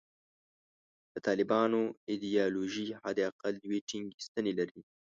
د طالبانو ایدیالوژي حد اقل دوې ټینګې ستنې لري.